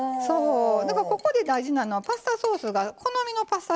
ここで大事なのはパスタソースが好みのパスタ